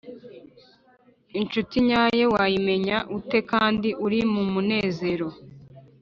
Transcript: Incuti nyayo wayimenya ute kandi uri mu munezero?